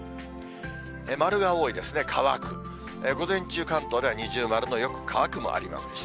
丸が多いですね、乾く、午前中、関東では二重丸のよく乾くもあります。